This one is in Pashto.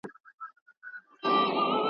دا پوښتنه له طبیب څخه کومه `